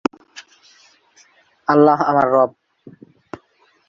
কাঞ্চন দেবী অমৃতসর শহরের government college for ওমেন-এ পড়াশোনা করেছেন।